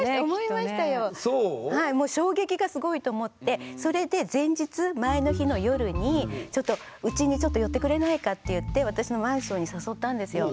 はいもう衝撃がすごいと思ってそれで前日前の日の夜にちょっとうちにちょっと寄ってくれないかって言って私のマンションに誘ったんですよ。